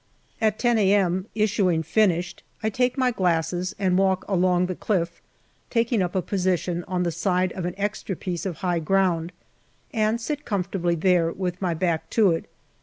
At 10 a.m., issuing finished, I take my glasses and walk along the cliff, taking up a position on the side of an extra piece of high ground, and sit comfortably there with my back to it.